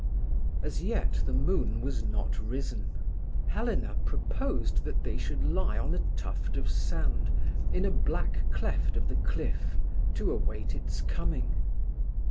As yet the moon was not risen. Helena proposed that they should lie on a tuft of sand in a black cleft of the cliff to await its coming.